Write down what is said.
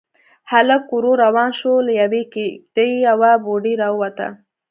هلک ورو روان شو، له يوې کېږدۍ يوه بوډۍ راووته.